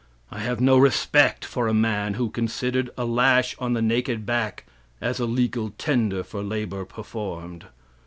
I have no respect for a man who considered a lash on the naked back as a legal tender for labor performed.